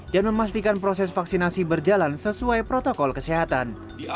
dan memastikan proses vaksinasi berjalan sesuai protokol kesehatan